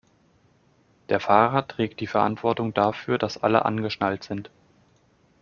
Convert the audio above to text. Der Fahrer trägt die Verantwortung dafür, dass alle angeschnallt sind.